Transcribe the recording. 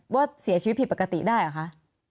ว่าเสียชีวิตผิดปกติได้เหรอคะ